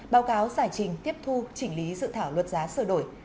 báo cáo giải trình tiếp thu chỉnh lý dự thảo luật giá sơ đổi